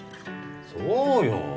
そうよ。